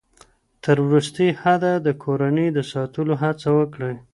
تر وروستي حده د کورنۍ د ساتلو هڅه وکړئ.